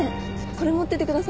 これ持っててください。